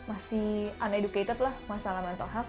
uneducated lah masalah mental health